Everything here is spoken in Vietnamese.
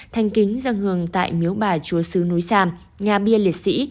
thanh kính dân hương tại miếu bà chúa sư núi sam nga bia liệt sĩ